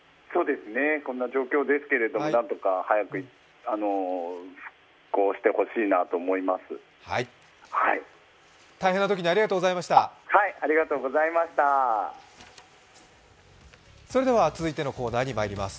こんな状況ですけど、何とか早く復興してほしいなと思います。